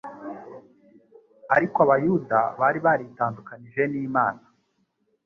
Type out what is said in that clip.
Ariko Abayuda bari baritandukanije n'Imana.